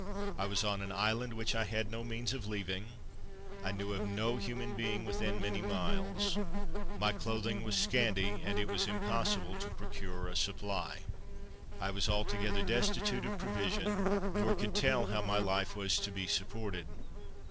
I was on an island which I had no means of leaving; I knew of no human being within many miles; my clothing was scanty, and it was impossible to procure a supply. I was altogether destitute of provision, nor could tell how my life was to be supported.